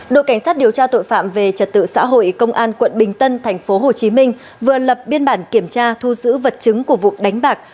đội cảnh sát điều tra tội phạm về trật tự xã hội công an quận bình tân tp hcm vừa lập biên bản kiểm tra thu giữ vật chứng của vụ đánh bạc